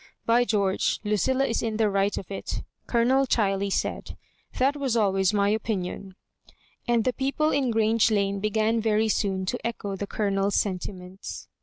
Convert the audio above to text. "By George I Lucilla is in the right of it," Colonel ChUey said; "that was always my opinion;'* and the people in Grange Lane began very soon to echo the Colonel's sentiments.